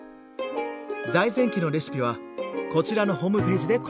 財前家のレシピはこちらのホームページで公開中。